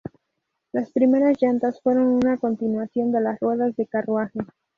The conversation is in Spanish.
Las primeras llantas fueron una continuación de las ruedas de carruaje.